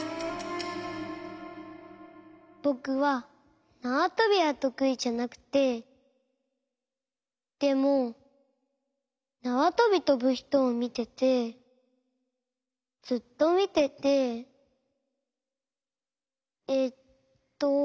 ぼくはなわとびはとくいじゃなくてでもなわとびとぶひとをみててずっとみててえっと。